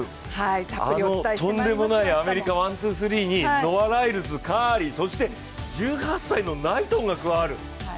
あのとんでもないアメリカ１・２・３にノア・ライルズ、カーリー、そして１８歳のナイトンが加わる。